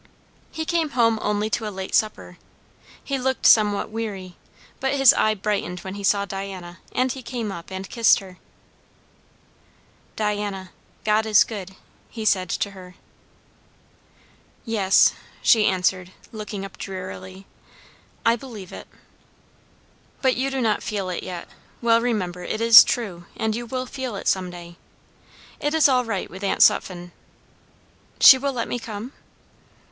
He came home only to a late supper. He looked somewhat weary, but his eye brightened when he saw Diana, and he came up and kissed her. "Diana God is good," he said to her. "Yes," she answered, looking up drearily, "I believe it." "But you do not feel it yet. Well, remember, it is true, and you will feel it some day. It is all right with Aunt Sutphen." "She will let me come?"